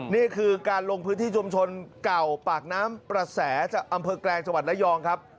นี่คือการลงพื้นที่ชุมชนเก่าปากน้ำประแสจากอำเภอแกลงจังหวัดระยองครับ